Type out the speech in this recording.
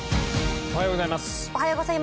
おはようございます。